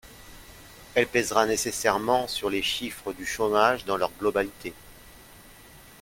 Elle pèsera nécessairement sur les chiffres du chômage dans leur globalité.